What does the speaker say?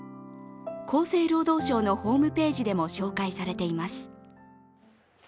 厚生労働省のホームページでも紹介されています。